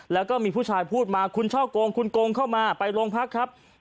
แล้วก็มีผู้ชายพูดมาคุณช่าวโกงเข้ามาไปโรงพัก